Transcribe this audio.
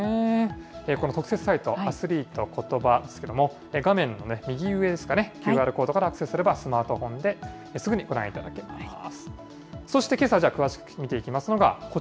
この特設サイト、アスリート×ことばですけれども、画面の右上ですかね、ＱＲコードからアクセスすれば、スマートフォンですぐにご覧いただけます。